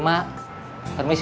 kamu mau kerja di sini